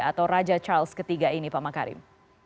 atau raja charles iii ini pak makarim